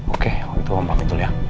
oke om itu om pamit dulu ya